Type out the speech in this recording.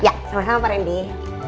ya sama sama pak randy